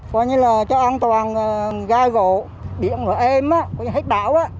coi như là cho an toàn gai gỗ biển rồi êm hít bão